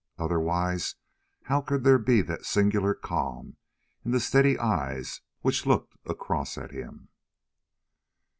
Otherwise, how could there be that singular calm in the steady eyes which looked across at him?